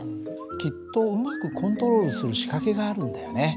きっとうまくコントロールする仕掛けがあるんだよね。